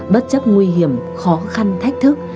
bất chấp nguy hiểm khó khăn thách thức